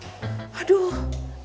ibu ibu dimana